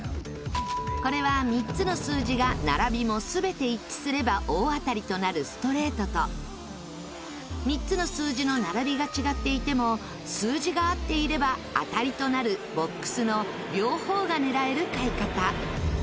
これは３つの数字が並びも全て一致すれば大当たりとなるストレートと３つの数字の並びが違っていても数字が合っていれば当たりとなるボックスの両方が狙える買い方。